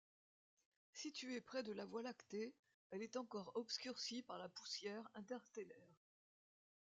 Située près de la Voie lactée, elle est encore obscurcie par la poussière interstellaire.